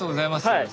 はい。